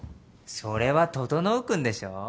それは整君でしょ。